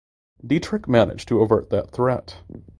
Diederik managed to avert that threat.